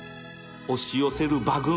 押し寄せる馬群